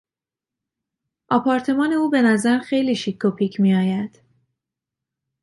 آپارتمان او به نظر خیلی شیک و پیک میآید.